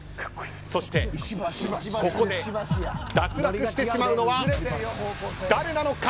そしてここで脱落してしまうのは誰なのか。